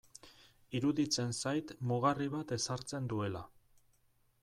Iruditzen zait mugarri bat ezartzen duela.